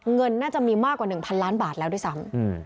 เงินน่าจะมีมากกว่า๑๐๐ล้านบาทแล้วด้วยซ้ำ